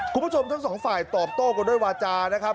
คุณผู้ชมทั้งสองฝ่ายตอบโต้กันด้วยวาจานะครับ